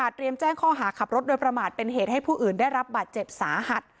เตรียมแจ้งข้อหาขับรถโดยประมาทเป็นเหตุให้ผู้อื่นได้รับบาดเจ็บสาหัส